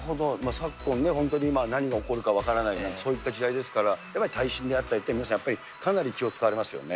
昨今ね、本当に今、何が起こるか分からない、そういった時代ですから、やっぱり耐震であったり、皆さんやっぱり気を遣われますよね。